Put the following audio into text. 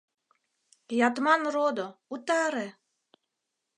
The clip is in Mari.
Ятман родо, утаре!..